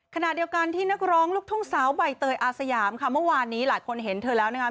ขณะเดียวกันที่นักร้องลูกทุ่งสาวใบเตยอาสยามค่ะเมื่อวานนี้หลายคนเห็นเธอแล้วนะคะ